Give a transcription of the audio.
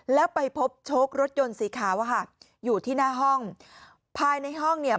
แล้วไปพบโชครถยนต์สีขาวอะค่ะอยู่ที่หน้าห้องภายในห้องเนี่ย